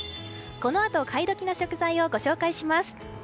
このあと買い時の食材をご紹介します。